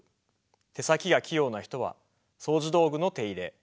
手先が器用な人はそうじ道具の手入れ。